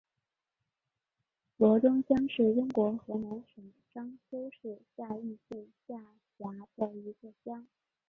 罗庄乡是中国河南省商丘市夏邑县下辖的一个乡。